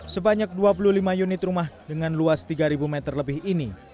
sebanyak dua puluh lima unit rumah dengan luas tiga meter lebih ini